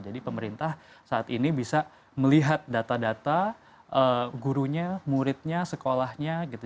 jadi pemerintah saat ini bisa melihat data data gurunya muridnya sekolahnya gitu